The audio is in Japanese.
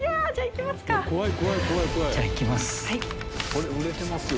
これ売れてますよ